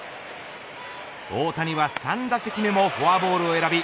大谷は３打席目もフォアボールを選び